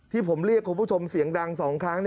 ที่ผมเรียกคุณผู้ชมเสียงดัง๒ครั้ง